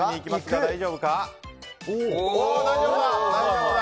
大丈夫だ！